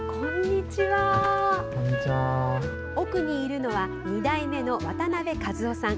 奥にいるのは２代目の渡邉和雄さん。